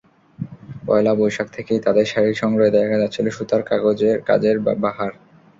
পয়লা বৈশাখ থেকেই তাদের শাড়ির সংগ্রহে দেখা যাচ্ছিল সুতার কাজের বাহার।